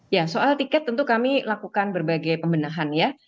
ya soal tiket tentu kami lakukan berbagai pembenahan ya